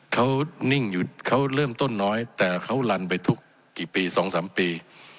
เขานิ่งอยู่เขาเริ่มต้นน้อยแต่เขาลันไปทุกกี่ปี๒๓ปี